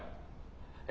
え？